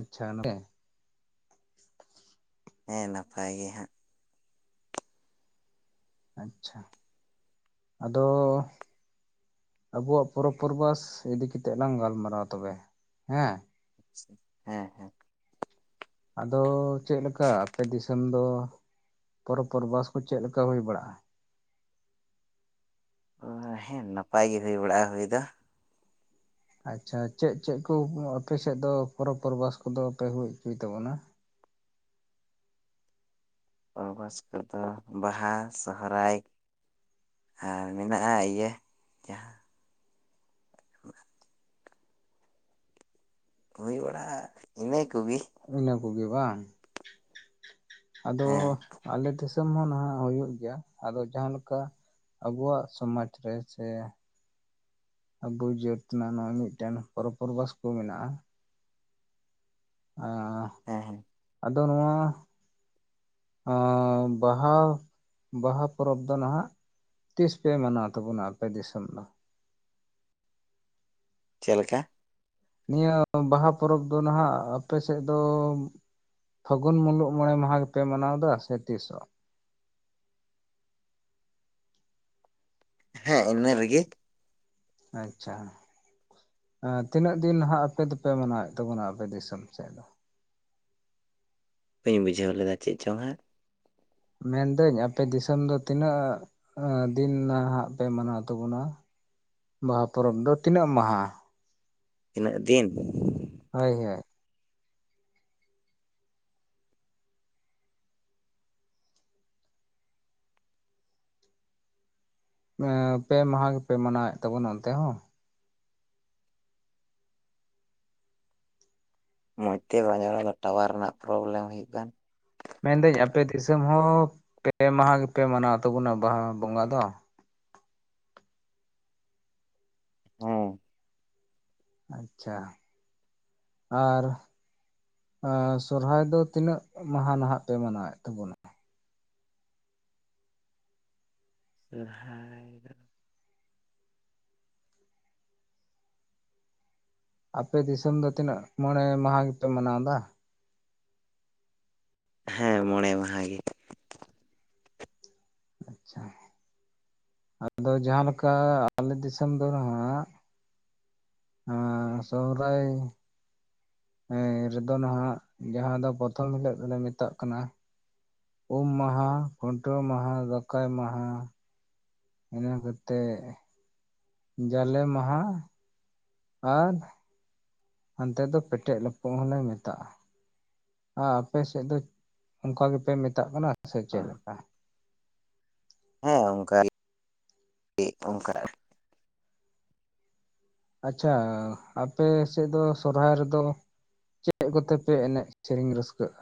ᱟᱪᱪᱷᱟ ᱱᱚᱸᱰᱮ᱾ ᱦᱮᱸ ᱱᱟᱯᱟᱭ ᱜᱮ ᱦᱟᱸᱜ᱾ ᱟᱪᱪᱷᱟ ᱟᱫᱚ ᱟᱵᱚᱣᱟᱜ ᱯᱚᱨᱚᱵᱽ ᱯᱚᱨᱵᱲᱥ ᱤᱫᱤ ᱠᱟᱛᱮᱜ ᱞᱟᱝ ᱜᱟᱞᱢᱟᱨᱟᱣᱟ ᱛᱚᱵᱮ ᱦᱮᱸ᱾ ᱟᱪᱪᱷᱟ᱾ ᱦᱮᱸ ᱦᱮᱸ᱾ ᱟᱫᱚ ᱪᱮᱜ ᱞᱮᱠᱟ ᱟᱯᱮ ᱫᱤᱥᱚᱢ ᱫᱚ ᱯᱚᱨᱚᱵᱽ ᱯᱚᱨᱵᱟᱥ ᱠᱚ ᱪᱮᱫ ᱞᱮᱠᱟ ᱦᱩᱭ ᱵᱟᱲᱟᱜ-ᱟ? ᱚ ᱦᱮᱸ ᱱᱟᱯᱟᱭ ᱜᱮ ᱦᱩᱭ ᱵᱟᱲᱟᱜ-ᱟ ᱦᱩᱭ ᱫᱚ᱾ ᱟᱪᱪᱷᱟ ᱪᱮᱫ ᱪᱮᱫ ᱠᱚ ᱟᱯᱮ ᱥᱮᱫ ᱫᱚ ᱯᱚᱨᱚᱵᱽ ᱯᱚᱨᱵᱟᱥ ᱠᱚᱫᱚ ᱯᱮ ᱦᱩᱭ ᱚᱪᱚᱭ ᱛᱟᱵᱚᱱᱟ? ᱯᱨᱚᱵᱟᱥ ᱠᱚᱫᱚ ᱵᱟᱦᱟ, ᱥᱚᱦᱚᱨᱟᱭ᱾ ᱟᱨ ᱢᱮᱱᱟᱜ-ᱟ ᱤᱭᱟᱹ ᱡᱟᱦᱟᱸ [inaudible] ᱠᱚ ᱦᱩᱭᱩ ᱲᱟᱜ-ᱟ ᱤᱱᱟᱹ ᱠᱩᱜᱤ᱾ ᱤᱱᱟᱹ ᱠᱩᱜᱤ ᱵᱟᱝ᱾ ᱟᱫᱚ ᱦᱮᱸ ᱟᱞᱮ ᱫᱤᱥ ᱥᱟᱹᱢ ᱦᱚᱸ ᱱᱟᱦᱟᱜ ᱦᱩᱭᱩᱜ ᱜᱮᱭᱟ᱾ ᱟᱫᱚ ᱡᱟᱦᱟᱸ ᱞᱮᱠᱟ ᱟᱵᱚᱣᱟᱜ ᱥᱚᱢᱟᱡᱽ ᱨᱮ ᱥᱮ ᱟᱵᱩ ᱡᱟᱹᱛ ᱨᱮᱱᱟᱜ ᱱᱚᱜ-ᱚᱭ ᱢᱤᱫᱴᱮᱱ ᱯᱚᱨᱚᱵᱽ ᱯᱚᱨᱵᱟᱥ ᱠᱚ ᱢᱮᱱᱟᱜ-ᱟ᱾ ᱦᱮᱸ ᱦᱮᱸ᱾ ᱫᱚ ᱱᱚᱣᱟ ᱟᱸ ᱵᱟᱦᱟ ᱵᱟᱦᱟ ᱯᱚᱨᱚᱵᱽ ᱫᱚ ᱱᱟᱦᱟᱜ ᱛᱤᱥ ᱯᱮ ᱢᱟᱱᱟᱣ ᱛᱟᱵᱚᱱᱟ ᱟᱯᱮ ᱫᱤᱥᱚᱢ ᱫᱚ? ᱪᱮᱫ ᱞᱮᱠᱟ? ᱱᱤᱭᱟᱹ ᱵᱟᱦᱟ ᱯᱚᱨᱚᱵᱽ ᱫᱚ ᱱᱟᱦᱟᱜ ᱟᱯᱮ ᱥᱮᱫ ᱫᱚᱢ ᱯᱷᱟᱹᱜᱩᱱ ᱢᱩᱞᱩᱜ ᱢᱚᱬᱮ ᱢᱟᱦᱟ ᱜᱮᱯᱮ ᱢᱟᱱᱟᱣᱫᱟ ᱥᱮ ᱛᱤᱥᱚᱜ? ᱦᱮᱸ ᱤᱱᱟᱹ ᱨᱮᱜᱮ᱾ ᱟᱪᱪᱷᱟ ᱦᱩᱸ᱾ ᱟᱸ ᱛᱤᱱᱟᱹᱜ ᱫᱤᱱ ᱦᱟᱜ ᱟᱯᱮ ᱫᱚᱯᱮ ᱢᱟᱱᱟᱣᱭᱮᱫ ᱛᱟᱵᱚᱱᱟ ᱟᱯᱮ ᱫᱤᱥᱚᱢ ᱥᱮᱫ ᱫᱚ? ᱵᱟᱹᱧ ᱵᱩᱡᱷᱟᱹᱣ ᱞᱮᱫᱟ ᱪᱮᱫ ᱪᱚᱝ ᱦᱟᱸᱜ? ᱢᱮᱱ ᱫᱟᱹᱧ ᱟᱯᱮ ᱫᱤᱥᱚᱢ ᱫᱚ ᱛᱤᱱᱟᱹᱜ ᱟᱸ ᱫᱤᱱ ᱱᱟᱦᱟᱟᱸᱜ ᱯᱮ ᱢᱟᱱᱟᱣ ᱛᱟᱵᱚᱱᱟ ᱵᱟᱦᱟ ᱯᱚᱨᱚᱵᱽ ᱫᱚ ᱛᱤᱱᱟᱹᱜ ᱢᱟᱦᱟ? ᱛᱤᱱᱟᱹᱜ ᱫᱤᱱ? ᱦᱳᱭ ᱦᱮ᱾ ᱢᱮᱸ ᱯᱮ ᱢᱟᱦᱟ ᱜᱮᱯᱮ ᱢᱟᱱᱟᱣᱮᱫ ᱛᱟᱵᱚᱱᱟ ᱚᱱᱛᱮ ᱦᱚᱸ? ᱢᱚᱸᱡᱽ ᱛᱮ ᱵᱟᱭ ᱧᱟᱢ ᱮᱫᱟ ᱴᱟᱣᱟᱨ ᱨᱮᱱᱟᱜ ᱯᱨᱚᱵᱽᱞᱮᱢ ᱦᱩᱭᱩᱜ ᱠᱟᱱ᱾ ᱢᱮᱱᱫᱟᱹᱧ ᱟᱯᱮ ᱫᱤᱥᱚᱢ ᱦᱚᱸ ᱯᱮ ᱢᱟᱦᱟ ᱜᱮᱯᱮ ᱢᱟᱱᱟᱣ ᱛᱟᱵᱚᱱᱟ ᱵᱟᱦᱟ ᱵᱚᱸᱜᱟ ᱫᱚ? ᱦᱮᱸ᱾ ᱟᱪᱷᱟ ᱟᱨ᱾ ᱥᱚᱨᱦᱟᱭ ᱫᱚ ᱛᱤᱱᱟᱹᱜ ᱢᱟᱦᱟ ᱱᱟᱦᱟᱜ ᱯᱮ ᱢᱟᱱᱟᱣᱭᱮᱫ ᱛᱟᱵᱚᱱᱟ? ᱥᱚᱨᱦᱟᱭ ᱫᱚ᱾ ᱟᱯᱮ ᱫᱤᱥᱚᱢ ᱫᱚ ᱛᱤᱱᱟᱹᱜ ᱢᱚᱬᱮ ᱢᱟᱦᱟ ᱜᱮᱯᱮ ᱢᱟᱱᱟᱣ ᱮᱫᱟ? ᱦᱮᱸ ᱢᱚᱬᱮ ᱢᱟᱦᱟ ᱜᱮ᱾ ᱟᱪᱷᱟ ᱟᱫᱚ ᱡᱟᱦᱟ ᱞᱮᱠᱟ ᱟᱞᱮ ᱫᱤᱥᱚᱢ ᱫᱚ ᱱᱟᱦᱟᱜ᱾ ᱟᱨ ᱥᱚᱦᱨᱟᱭ᱾ ᱦᱮᱸ ᱨᱮᱫᱚ ᱱᱟᱦᱟᱜ ᱡᱟᱦᱟ ᱫᱚ ᱯᱨᱚᱛᱷᱚᱢ ᱦᱤᱞᱳᱜ ᱫᱚᱞᱮ ᱢᱮᱛᱟᱜ ᱠᱟᱱᱟ᱾ ᱩᱢ ᱢᱟᱦᱟ ᱠᱷᱩᱱᱴᱟᱹᱣ ᱢᱟᱦᱟ ᱫᱟᱠᱟᱭ ᱢᱟᱦᱟ᱾ ᱤᱱᱟᱹ ᱠᱟᱛᱮᱜ ᱡᱟᱞᱮ ᱢᱟᱦᱟ ᱟᱨ᱾ ᱦᱟᱱᱛᱮ ᱫᱚ ᱯᱮᱴᱮᱡ ᱞᱟᱯᱚᱜ ᱦᱚᱞᱮ ᱢᱮᱛᱟᱜᱼᱟ᱾ ᱟ ᱟᱯᱮ ᱥᱮᱫ ᱫᱚ ᱚᱱᱠᱟ ᱜᱮᱯᱮ ᱢᱮᱛᱟᱜ ᱠᱟᱱᱟ ᱥᱮ ᱪᱮᱫ? ᱦᱮᱸ ᱚᱱᱠᱟ [inaudible] ᱚᱱᱠᱟ᱾ ᱟᱪᱷᱟ ᱟᱯᱮ ᱥᱮᱫ ᱫᱚ ᱥᱚᱨᱦᱟᱭ ᱨᱮᱫᱚ᱾ ᱪᱮᱫ ᱠᱚᱛᱮᱯᱮ ᱮᱱᱮᱡ ᱥᱮᱨᱮᱧ ᱨᱟᱹᱥᱠᱟᱹᱜᱼᱟ?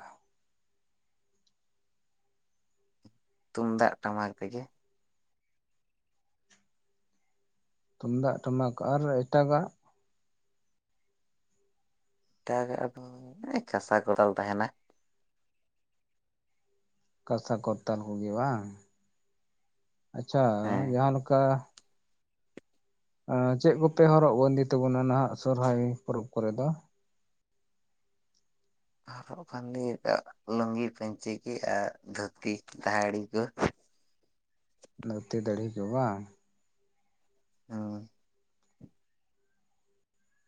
ᱛᱩᱢᱫᱟᱜ ᱴᱟᱢᱟᱠ ᱛᱮᱜᱮ᱾ ᱛᱩᱢᱫᱟᱜ ᱴᱟᱢᱟᱠ ᱟᱨ ᱮᱴᱟᱜᱟᱜ? ᱮᱴᱟᱜ ᱟᱫᱚ ᱠᱟᱥᱟ ᱠᱚᱫᱟᱞ ᱛᱟᱦᱮᱱᱟ᱾ ᱠᱟᱥᱟ ᱠᱚᱨᱛᱟᱞ ᱠᱚᱜᱮ ᱵᱟᱝ᱾ ᱟᱪᱪᱷᱟ ᱦᱮᱸ ᱡᱟᱦᱟ ᱞᱮᱠᱟ᱾ ᱪᱮᱫ ᱠᱚᱯᱮ ᱦᱚᱨᱚᱜ ᱵᱟᱸᱫᱮ ᱛᱟᱵᱚᱱᱟ ᱱᱟᱦᱟᱜ ᱥᱚᱨᱚᱦᱟᱭ ᱯᱚᱨᱚᱵᱽ ᱠᱚᱨᱮ ᱫᱚ? ᱦᱚᱨᱚᱜ ᱵᱟᱸᱫᱮ ᱞᱩᱝᱜᱤ ᱯᱟᱹᱧᱪᱤ ᱜᱮ ᱟᱨ ᱫᱷᱩᱛᱤ ᱫᱟᱦᱤᱲᱤ ᱠᱚ᱾ ᱫᱷᱩᱛᱤ ᱫᱟᱦᱚᱲᱤ ᱠᱚ ᱵᱟᱝ? ᱦᱚᱭ᱾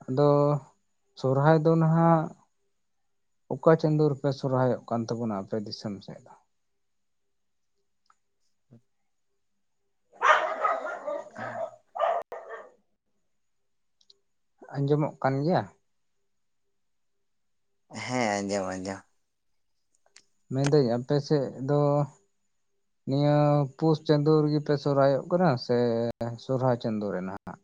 ᱟᱫᱚ ᱥᱚᱨᱦᱟᱭ ᱫᱚ ᱱᱟᱦᱟᱜ᱾ ᱚᱠᱟ ᱪᱟᱸᱫᱳ ᱨᱮᱯᱮ ᱥᱚᱦᱚᱨᱟᱭᱚᱜ ᱠᱟᱱ ᱛᱟᱵᱚᱱᱟ ᱟᱯᱮ ᱫᱤᱥᱚᱢ ᱥᱮᱫ ᱫᱚ? [inaudible] ᱟᱸᱡᱚᱢᱚᱜ ᱠᱟᱱᱜᱮᱭᱟ? ᱦᱮᱸ ᱟᱸᱡᱚᱢ ᱟᱸᱡᱚᱢ᱾ ᱢᱮᱱᱫᱟᱹᱧ ᱟᱯᱮ ᱥᱮᱫ ᱫᱚ᱾ ᱱᱤᱭᱟᱹ ᱯᱩᱥ ᱪᱟᱸᱫᱳ ᱨᱮᱜᱮ ᱯᱮ ᱥᱚᱦᱚᱨᱟᱭᱚᱜ ᱠᱟᱱᱟ ᱥᱮ ᱥᱚᱦᱚᱨᱟᱭ ᱪᱟᱸᱫᱳ ᱨᱮ ᱱᱟᱦᱟᱜ?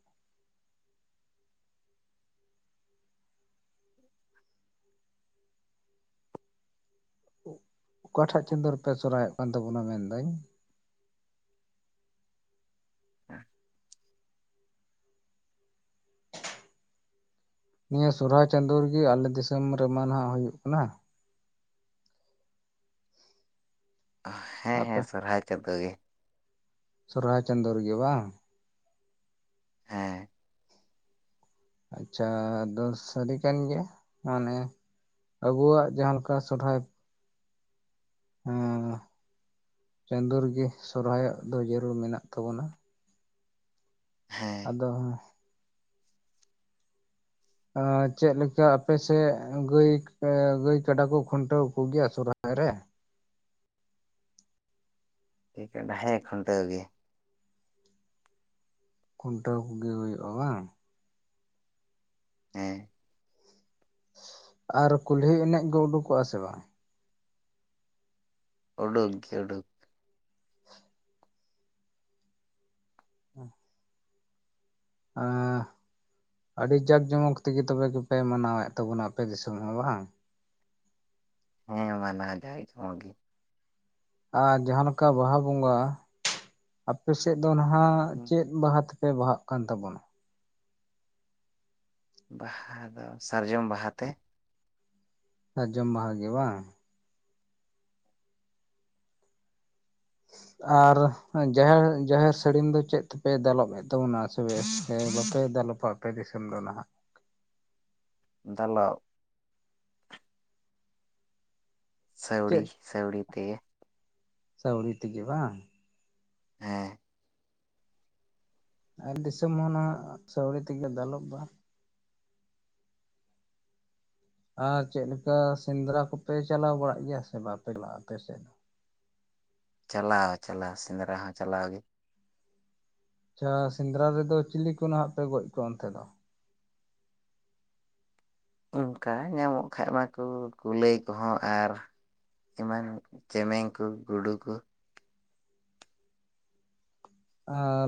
ᱚᱠᱟᱴᱷᱟᱜ ᱪᱟᱸᱫ ᱨᱮᱯᱮ ᱥᱚᱦᱨᱟᱭᱚᱜ ᱠᱟᱱ ᱛᱟᱵᱚᱱᱟ ᱢᱮᱱᱫᱟᱹᱧ? [inaudible] ᱱᱤᱭᱟᱹ ᱥᱚᱦᱚᱨᱟᱭ ᱪᱟᱸᱫᱳ ᱨᱮᱜᱤ ᱟᱞᱮ ᱫᱤᱥᱚᱢ ᱨᱮᱢᱟ ᱱᱟᱦᱟᱜ ᱦᱩᱭᱩᱜ ᱠᱟᱱᱟ᱾ ᱦᱮᱸ ᱦᱮᱸ ᱟᱯᱮ ᱥᱚᱦᱚᱨᱟᱭ ᱪᱟᱸᱫᱚ ᱜᱮ᱾ ᱥᱚᱦᱚᱨᱟᱭ ᱪᱟᱸᱫᱚ ᱨᱮ ᱜᱮ ᱵᱟᱝ? ᱦᱮᱸ᱾ ᱟᱪᱷᱟ ᱟᱫᱚ ᱥᱟᱹᱨᱤ ᱠᱟᱱ ᱜᱮᱭᱟ ᱢᱟᱱᱮ ᱟᱵᱚᱣᱟᱜ ᱡᱟᱦᱟᱸ ᱞᱮᱠᱟ ᱥᱚᱨᱦᱟᱭ᱾ ᱦᱮ ᱪᱟᱸᱫᱚ ᱨᱮᱜᱮ ᱥᱚᱨᱚᱦᱟᱭᱚᱜ ᱫᱚ ᱡᱟᱹᱨᱩᱲ ᱢᱮᱱᱟᱜ ᱛᱟᱵᱚᱱᱟ᱾ ᱦᱮᱸ᱾ ᱫᱚ ᱦᱮᱸ ᱪᱮᱫ ᱞᱮᱠᱟ ᱟᱯᱮᱥᱮᱫ ᱜᱟᱹᱭ ᱜᱟᱹᱭ ᱠᱟᱰᱟ ᱠᱚ ᱠᱷᱩᱱᱴᱟᱹᱣ ᱠᱚᱜᱮᱭᱟ ᱥᱚᱦᱚᱨᱟᱭ ᱨᱮ? [unintelligible] ᱦᱮᱸ ᱠᱷᱩᱱᱴᱟᱹᱣ ᱜᱮ᱾ ᱠᱷᱩᱱᱴᱟᱹᱣ ᱠᱚᱜᱮ ᱦᱩᱭᱩᱜᱼᱟ ᱵᱟᱝ? ᱦᱮᱸ᱾ ᱟᱨ ᱠᱩᱞᱦᱤ ᱮᱱᱮᱡ ᱜᱮ ᱩᱰᱩᱠᱚᱜ ᱟ ᱥᱮ ᱵᱟᱝ? ᱚᱰᱳᱠ ᱜᱮ ᱚᱰᱳᱠ ᱾ ᱦᱮᱸ ᱾ ᱟᱸᱜ᱾ ᱟᱹᱰᱤ ᱡᱟᱠ ᱡᱚᱢᱚᱠ ᱛᱮᱜᱮ ᱛᱚᱵᱮ ᱜᱮᱯᱮ ᱢᱟᱱᱟᱣᱮᱫ ᱛᱟᱵᱚᱱᱟ ᱟᱯᱮ ᱫᱤᱥᱚᱢ ᱦᱚᱸ ᱵᱟᱝ? ᱦᱮᱸ ᱢᱟᱱᱟ ᱡᱟᱭ [inaudible] ᱟᱨ ᱡᱟᱦᱟᱸᱞᱮᱠᱟ ᱵᱟᱦᱟ ᱵᱚᱸᱜᱟ ᱟᱯᱮᱥᱮᱫ ᱫᱚ ᱦᱟᱜ ᱪᱮᱫ ᱵᱟᱦᱟ ᱛᱮ? ᱯᱮ ᱵᱟᱦᱟᱜ ᱠᱟᱱ ᱛᱟᱵᱚᱱᱟ ᱾ ᱵᱟᱦᱟ ᱫᱚ ᱥᱟᱨᱡᱚᱢ ᱵᱟᱦᱟᱛᱮ ᱾ ᱥᱟᱡᱚᱢ ᱵᱟᱦᱟ ᱜᱮ ᱵᱟᱝ? ᱟᱨ ᱡᱟᱦᱮᱨ ᱡᱟᱦᱮᱨ ᱥᱟᱹᱲᱤᱢ ᱫᱚ ᱪᱮᱫ ᱛᱮᱯᱮ ᱫᱟᱞᱚᱵ ᱮᱜ-ᱟ? ᱛᱟᱵᱚᱱᱟ ᱥᱮ ᱵᱟᱯᱮ ᱫᱟᱞᱚᱯᱼᱟ ᱟᱯᱮ ᱫᱤᱥᱚᱢ ᱫᱚ ᱱᱟᱦᱟᱜ᱾ ᱫᱟᱞᱚᱵ᱾ ᱥᱮᱣᱲᱤ ᱥᱮᱣᱲᱤ ᱛᱮ ᱾ ᱥᱣᱲᱤ ᱛᱮ ᱜᱮ ᱵᱟᱝ? ᱦᱮᱸ ᱾ ᱟᱨ ᱫᱤᱥᱚᱢ ᱦᱚᱸ ᱚᱱᱟ ᱥᱟᱹᱣᱲᱤ ᱛᱮᱜᱮ ᱫᱟᱞᱚᱵ ᱚᱜᱼᱟ᱾ ᱟᱨ ᱪᱮᱫ ᱞᱮᱠᱟ ᱥᱮᱸᱫᱽᱨᱟ ᱠᱚᱯᱮ ᱪᱟᱞᱟᱣ ᱵᱟᱲᱟᱜ ᱜᱮᱭᱟ ᱥᱮ ᱵᱟᱯᱮ ᱞᱟᱜᱼᱟ ᱟᱯᱮ ᱥᱮᱫ ᱫᱚ? ᱪᱟᱞᱟᱣ ᱪᱟᱞᱟᱣ ᱥᱮᱸᱫᱽᱨᱟ ᱦᱚᱸ ᱪᱟᱞᱟᱣ ᱜᱮ ᱾ ᱟᱪᱷᱟ ᱥᱮᱸᱫᱽᱨᱟ ᱨᱮᱫᱚ ᱪᱤᱞᱤ ᱠᱚ ᱱᱟᱦᱜ ᱯᱮ ᱜᱚᱡ ᱠᱚᱣᱟ ᱚᱱᱛᱮ ᱫᱚ? ᱚᱱᱠᱟ ᱧᱟᱢᱚᱜ ᱠᱷᱟᱡ ᱢᱟᱠᱚ ᱠᱩᱞᱟᱹᱭ ᱠᱚᱦᱚᱸ ᱟᱨ ᱮᱢᱟᱱ ᱪᱮᱢᱮᱧ ᱠᱚ ᱜᱩᱰᱩ ᱠᱚ ᱾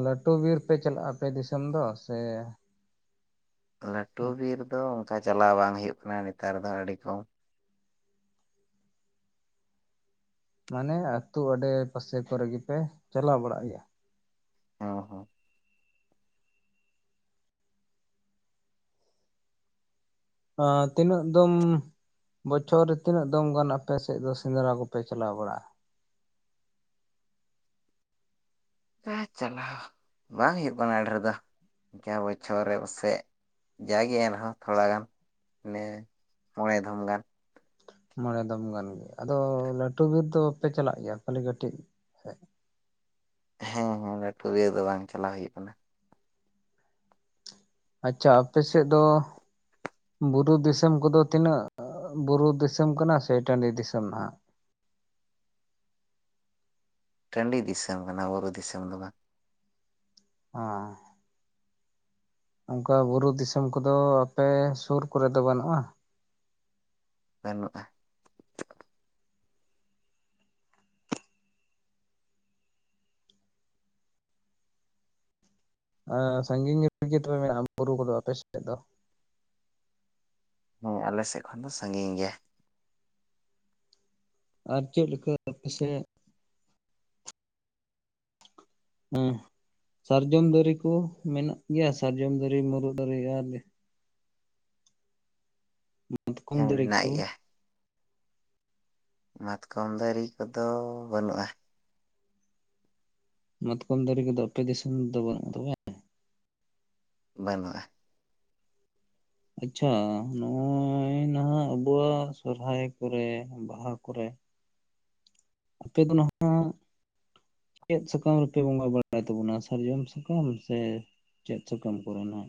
ᱞᱟᱹᱴᱩ ᱵᱤᱨ ᱯᱮ ᱪᱟᱞᱟᱜᱼᱟ ᱟᱯᱮ ᱫᱤᱥᱚᱢ ᱫᱚ ᱥᱮ? ᱞᱟᱹᱴᱩ ᱵᱤᱨ ᱫᱚ ᱚᱝᱠᱟ ᱪᱟᱞᱟᱣ ᱵᱟᱝ ᱦᱩᱭᱩᱜ ᱠᱟᱱᱟ ᱱᱮᱛᱟᱨ ᱫᱚ ᱟᱹᱰᱤ ᱠᱚᱢ᱾ ᱢᱟᱱᱮ ᱟᱹᱛᱩ ᱟᱸᱰᱮ ᱯᱟᱥᱮ ᱠᱚᱨᱮ ᱜᱮ ᱯᱮ ᱪᱟᱞᱟᱣ ᱵᱟᱲᱟᱜ ᱜᱮᱭᱟ ᱾ ᱦᱚᱸ ᱦᱚᱸ ᱟᱸᱻ ᱛᱤᱱᱟᱹᱜ ᱫᱚᱢ ᱾ ᱵᱚᱪᱷᱚᱨ ᱨᱮ ᱛᱤᱱᱟᱹᱜ ᱫᱚᱢ ᱜᱟᱱ ᱟᱯᱮ ᱥᱮᱫ ᱫᱚ ᱥᱮᱸᱫᱽᱨᱟ ᱠᱚᱯᱮ ᱪᱟᱞᱟᱣ ᱵᱟᱲᱟᱜᱼᱟ? ᱦᱮ ᱪᱟᱞᱟᱣ ᱵᱟᱝ ᱦᱩᱭᱩᱜ ᱠᱟᱱᱟ ᱟᱹᱰᱤ ᱰᱷᱮᱨ ᱫᱚ ᱾ ᱠᱮᱭᱟ ᱵᱚᱪᱷᱚᱨ ᱨᱮ ᱯᱟᱥᱮᱡ ᱡᱟᱭᱜᱮ ᱮᱢ ᱟ ᱾ ᱟᱨ ᱛᱷᱚᱲᱟ ᱜᱟᱱ ᱱᱮ ᱢᱚᱬᱮ ᱫᱷᱚᱢ ᱜᱟᱱ ᱾ ᱢᱚᱬᱮ ᱫᱚᱢ ᱜᱟᱱ ᱟᱫᱚ ᱞᱟᱹᱴᱩ ᱵᱤᱨ ᱫᱚ ᱵᱟᱯᱮ ᱪᱟᱞᱟᱜ ᱜᱮᱭᱟ ᱠᱷᱟᱹᱞᱤ ᱠᱟᱹᱴᱤᱡ? ᱦᱮᱸ ᱦᱮᱸ ᱞᱟᱹᱴᱩ ᱵᱤᱨ ᱫᱚ ᱵᱟᱝ ᱪᱟᱞᱟᱣ ᱦᱩᱭᱩᱜ ᱠᱟᱱᱟ ᱾ ᱟᱪᱷᱟ ᱟᱯᱮ ᱥᱮᱫ ᱫᱚ ᱾ ᱵᱩᱨᱩ ᱫᱤᱥᱚᱢ ᱠᱚᱫᱚ ᱛᱤᱱᱟᱹᱜ ᱵᱩᱨᱩ ᱫᱤᱥᱚᱢ ᱠᱟᱱᱟ ᱥᱮ ᱴᱟᱺᱰᱤ ᱫᱤᱥᱚᱢ ᱱᱟᱦᱟᱜ? ᱴᱟᱺᱰᱤ ᱫᱤᱥᱚᱢ ᱠᱟᱱᱟ ᱵᱩᱨᱩ ᱫᱤᱥᱚᱢ ᱫᱚ ᱵᱟᱝ ᱾ ᱚᱸ ᱾ ᱚᱝᱠᱟ ᱵᱩᱨᱩ ᱫᱤᱥᱚᱢ ᱠᱚᱫᱚ ᱟᱯᱮ ᱥᱩᱨ ᱠᱚᱨᱮ ᱫᱚ ᱵᱟᱹᱱᱩᱜᱼᱟ? ᱵᱟᱱᱩᱜᱼᱟ ᱾ ᱥᱟᱺᱜᱤᱧ ᱨᱮᱜᱮ ᱛᱚᱵᱮ ᱢᱮᱱᱟᱜᱼᱟ ᱵᱩᱨᱩ ᱠᱚᱫᱚ ᱟᱯᱮ ᱥᱮᱫ ᱫᱚ? ᱦᱮᱸ ᱟᱞᱮ ᱥᱮᱫ ᱠᱷᱚᱱ ᱫᱚ ᱥᱟᱺᱜᱤᱧ ᱜᱮᱭᱟ ᱾ ᱟᱨ ᱪᱮᱫ ᱞᱮᱠᱟ ᱟᱯᱮ ᱥᱮᱜ? ᱦᱮᱸ ᱥᱟᱨᱡᱚᱢ ᱫᱟᱨᱮ ᱠᱚ ᱢᱮᱱᱟᱜ ᱜᱮᱭᱟ ᱥᱟᱨᱡᱚᱢ ᱫᱟᱨᱮ ᱢᱩᱨᱩᱜ ᱫᱟᱨᱮ ᱟᱨ᱾ ᱢᱟᱛᱠᱚᱢ ᱦᱮᱸ ᱫᱟᱨᱮ ᱢᱮᱱᱟᱜ ᱠᱚ᱾ ᱜᱮᱭᱟ ᱢᱟᱛᱠᱚᱢ ᱫᱟᱨᱮ ᱠᱚᱫᱚ ᱵᱟᱹᱱᱩᱜᱼᱟ᱾ ᱢᱟᱛᱠᱚᱢ ᱫᱟᱨᱤ ᱠᱚᱫᱚ ᱟᱯᱮ ᱫᱤᱥᱚᱢ ᱫᱚ ᱵᱟ ᱹᱱᱩᱜ ᱛᱟᱯᱮᱭᱟ ᱾ ᱵᱟᱹᱱᱩ ᱟ ᱟᱪᱷᱟ ᱱᱚᱜᱼᱚᱭ ᱱᱟᱦᱟᱜ ᱟᱵᱩᱣᱟᱜ ᱥᱚᱨᱦᱟᱭ ᱠᱚᱨᱮ ᱵᱟᱦᱟ ᱠᱚᱨᱮᱜ᱾ ᱟᱯᱮ ᱫᱚ ᱱᱟᱦᱟᱜ᱾ ᱪᱮᱫ ᱥᱟᱠᱟᱢ ᱨᱮᱯᱮ ᱵᱚᱸᱜᱟ ᱵᱟᱲᱟᱭ ᱛᱟᱵᱚᱱᱟ ᱥᱟᱨᱡᱚᱢ ᱥᱟᱠᱟᱢ ᱥᱮ? ᱪᱮᱜ ᱪᱚ ᱠᱚᱢ ᱯᱩᱨᱩᱱᱟ?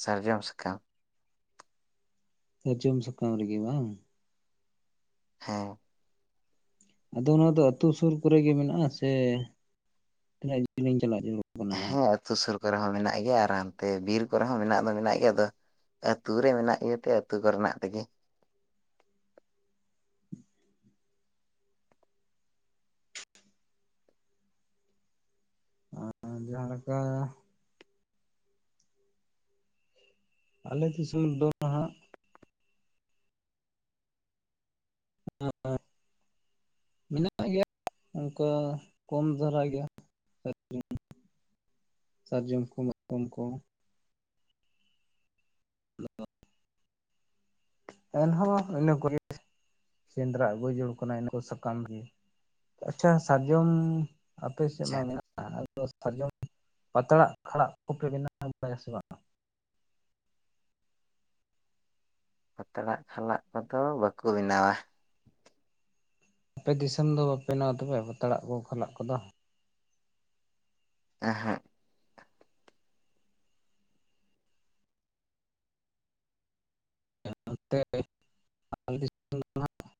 ᱥᱟᱨᱡᱚᱢ ᱥᱟᱠᱟᱢ ᱾ ᱥᱟᱨᱡᱚᱢ ᱥᱟᱠᱟᱢ ᱨᱮᱜᱮ ᱵᱟᱝ᱾ ᱦᱮᱸ᱾ ᱟᱫᱚ ᱱᱚᱣᱟ ᱫᱚ ᱟᱹᱛᱩ ᱥᱩᱨ ᱠᱚᱨᱮ ᱜᱮ ᱢᱮᱱᱟᱜ-ᱟ ᱥᱮ ᱛᱤᱱᱟᱹᱜ ᱡᱤᱞᱤᱧ ᱪᱟᱞᱟᱜ ᱡᱟᱹᱨᱩᱲ᱾ ᱠᱟᱱᱟ ᱦᱮᱸ ᱱᱟᱦᱟᱜ ᱟᱹᱛᱩ ᱥᱩᱨ ᱠᱚᱨᱮ ᱦᱚᱸ ᱢᱮᱱᱟᱜ ᱜᱮᱭᱟ ᱟᱨ ᱦᱟᱱᱛᱮ ᱵᱤᱨ ᱠᱚᱨᱮ ᱦᱚᱸ ᱢᱮᱱᱟᱜ ᱫᱚ ᱢᱮᱱᱟᱜ ᱜᱮᱭᱟ ᱟᱫᱚ᱾ ᱟᱹᱛᱩ ᱨᱮ ᱢᱮᱱᱟᱜ ᱜᱮᱛᱮ ᱟᱹᱛᱩ ᱠᱚᱨᱮᱱᱟᱜ ᱛᱮᱜᱮ᱾ ᱟᱨ ᱡᱟᱦᱟᱸ ᱞᱮᱠᱟ᱾ ᱟᱞᱮ ᱫᱤᱥᱚᱢ ᱫᱚ ᱦᱟᱜ᱾ [unintelligible] ᱢᱮᱱᱟᱜ ᱜᱮᱭᱟ ᱚᱝᱠᱟ ᱠᱚᱢ ᱫᱷᱟᱨᱟ ᱜᱮ᱾ ᱥᱟᱨᱡᱚᱢ ᱠᱚ ᱢᱟᱠᱚᱢ ᱠᱚ᱾ [inaudible] ᱮᱱᱦᱚᱸ ᱤᱱᱟᱹ ᱠᱚᱨᱮ ᱜᱮ᱾ ᱥᱮᱸᱫᱽᱨᱟ ᱟᱹᱜᱩ ᱡᱚᱲ ᱠᱟᱱᱟᱭ ᱤᱱᱟᱹ ᱠᱚ ᱥᱟᱠᱟᱢ ᱜᱮ ᱟᱪᱷᱟ ᱥᱟᱨᱡᱚᱢ᱾ ᱟᱯᱮ ᱥᱮᱫ ᱟᱪᱪᱷᱟ ᱢᱟ ᱢᱮᱱᱟᱜ-ᱟ ᱟᱫᱚ ᱥᱟᱨᱡᱚᱢ ᱯᱟᱛᱲᱟᱜ ᱟᱲᱟᱜ ᱠᱚᱯᱮ ᱵᱮᱱᱟᱣ ᱵᱟᱲᱟᱭᱟ ᱥᱮ ᱵᱟᱝ? ᱯᱟᱛᱲᱟᱜ ᱠᱷᱟᱞᱟᱜ ᱠᱚᱫᱚ ᱵᱟᱠᱚ ᱵᱮᱱᱟᱣᱟ᱾ ᱟᱯᱮ ᱫᱤᱥᱚᱢ ᱫᱚ ᱵᱟᱯᱮ ᱱᱟᱣ ᱛᱮᱯᱮ ᱯᱟᱛᱲᱟᱜ ᱠᱚ ᱠᱷᱟᱞᱟᱜ ᱠᱚᱫᱚ᱾ ᱮᱦᱮᱜ᱾ [unintelligible]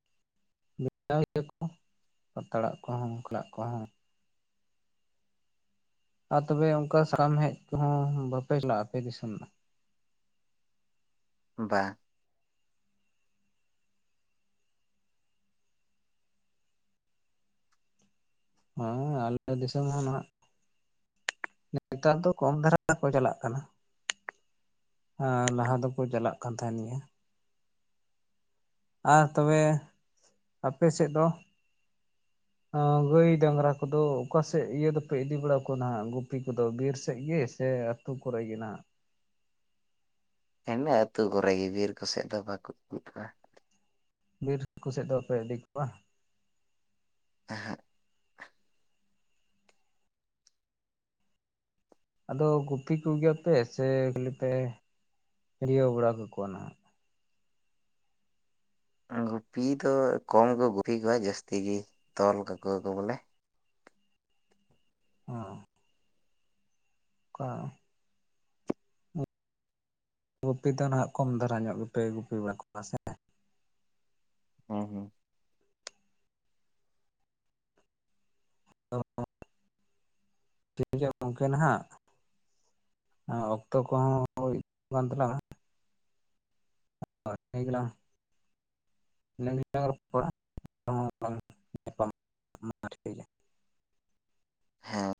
[unintelligible] ᱯᱟᱛᱲᱟᱜ ᱠᱚᱦᱚᱸ ᱵᱟᱠᱞᱟᱜ ᱠᱚᱦᱚᱸ᱾ ᱟᱨ ᱛᱚᱵᱮ ᱚᱝᱠᱟ ᱥᱟᱠᱟᱢ ᱦᱮᱡ ᱠᱚᱦᱚᱸ ᱵᱟᱯᱮ ᱪᱟᱞᱟᱜ-ᱟ ᱟᱯᱮ ᱫᱤᱥᱚᱢ ᱫᱚ? ᱵᱟᱝ ᱾ ᱦᱮᱸ ᱟᱞᱮ ᱫᱤᱥᱚᱢ ᱦᱚᱸ ᱱᱦᱟᱜ᱾ ᱱᱮᱛᱟᱨ ᱫᱚ ᱠᱚᱢ ᱫᱷᱟᱨᱟ ᱠᱚ ᱪᱟᱞᱟᱜ ᱠᱟᱱᱟ᱾ ᱟᱨ ᱞᱟᱦᱟ ᱫᱚᱠᱚ ᱪᱟᱞᱟᱜ ᱠᱟᱱ ᱛᱟᱦᱮᱱ ᱜᱮ᱾ ᱟᱨ ᱛᱚᱵᱮ ᱟᱯᱮ ᱥᱮᱫ ᱫᱚ? ᱜᱟᱹᱭ ᱰᱟᱝᱨᱟ ᱠᱚᱫᱚ ᱚᱠᱟᱥᱮᱜ ᱤᱭᱟᱹ ᱫᱚᱯᱮ ᱤᱫᱤ ᱵᱟᱲᱟ ᱠᱚᱣᱟ ᱱᱟᱜ ᱜᱩᱯᱤ ᱠᱚᱫᱚ ᱵᱤᱨ ᱥᱮᱵ ᱜᱮ ᱥᱮᱢ? ᱥᱨᱩ ᱠᱚᱨᱮ ᱜᱮ ᱱᱟᱜ᱾ ᱤᱱᱟᱹ ᱟᱹᱛᱩ ᱠᱚᱨᱮᱜ ᱜᱮ ᱵᱤᱨ ᱠᱚᱥᱮᱫ ᱫᱚ ᱵᱟᱠᱚ [unintelligible] ᱵᱤᱨ ᱠᱚᱥᱮᱫ ᱫᱚ ᱚᱠᱚᱭ ᱤᱫᱤ ᱠᱚᱣᱟ? ᱟᱸᱦᱟᱜ᱾ ᱟᱫᱚ ᱜᱩᱯᱤ ᱠᱚᱜᱮᱭᱟᱯᱮ ᱥᱮ ᱠᱷᱟᱹᱞᱤ ᱯᱮ ᱦᱤᱨᱭᱟᱹᱣ ᱵᱟᱲᱟ ᱠᱟᱠᱚᱣᱟ ᱱᱟᱜ᱾ ᱜᱩᱯᱤ ᱫᱚ ᱠᱚᱢ ᱠᱚ ᱜᱩᱯᱤ ᱠᱚᱣᱟ ᱡᱟᱹᱥᱛᱤ ᱜᱮ ᱛᱚᱞ ᱠᱟᱠᱚᱣᱟ ᱠᱚ ᱵᱚᱞᱮ᱾ ᱦᱚᱸ᱾ ᱠᱟ᱾ ᱜᱩᱯᱤ ᱫᱚ ᱱᱟᱦᱟᱜ ᱠᱚᱢ ᱫᱷᱟᱨᱟ ᱧᱚᱜ ᱜᱮᱯᱮ ᱜᱩᱯᱤ ᱵᱟᱲᱟ ᱠᱚᱣᱟ ᱥᱮ᱾ ᱦᱩᱸ ᱦᱩᱸ᱾ [unintelligible] ᱴᱷᱤᱠ ᱜᱮᱭᱟ ᱜᱚᱝᱠᱮ ᱱᱟᱦᱟᱜ᱾ ᱦᱮᱸ, ᱚᱠᱛᱚ ᱠᱚᱦᱚᱸ ᱦᱩᱭᱩᱜ ᱠᱟᱱ ᱛᱟᱞᱟᱝᱟ᱾ [unintelligible] ᱤᱱᱟᱝ ᱜᱮᱞᱟᱝ ᱨᱚᱯᱚᱲᱟ [unintelligible] ᱦᱮᱸ᱾